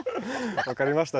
分かりました。